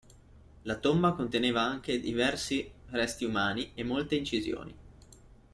La tomba conteneva anche diversi resti umani e molte incisioni.